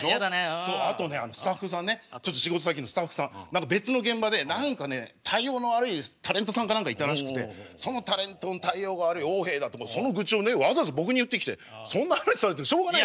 あとねスタッフさんねちょっと仕事先のスタッフさん別の現場で何かね対応の悪いタレントさんか何かいたらしくてそのタレントの対応が悪い横柄だってその愚痴をわざわざ僕に言ってきてそんな話されてもしょうがないですよ。